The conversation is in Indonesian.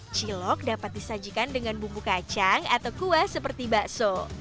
cilok dapat disajikan dengan bumbu kacang atau kuah seperti bakso